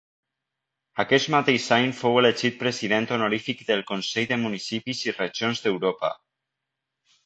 Aquest mateix any fou elegit president honorífic del Consell de Municipis i Regions d'Europa.